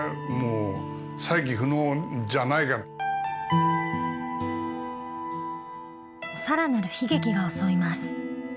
何にももうさらなる悲劇が襲います。